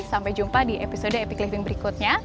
sampai jumpa di episode epic living berikutnya